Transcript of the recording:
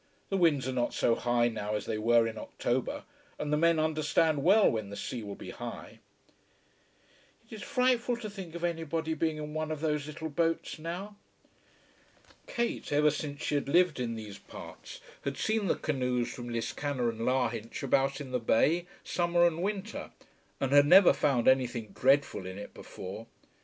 The winds are not so high now as they were in October, and the men understand well when the sea will be high." "It is frightful to think of anybody being in one of those little boats now." Kate ever since she had lived in these parts had seen the canoes from Liscannor and Lahinch about in the bay, summer and winter, and had never found anything dreadful in it before.